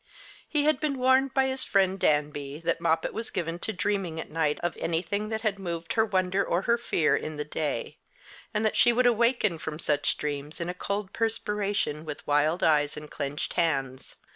He had been warned by his friend Danby that Moppet was given to dreaming at night of anything that had moved her wonder or her fear in the day, and that she would awaken from such dreams in a cold perspiration, with wild eyes and clinched hands.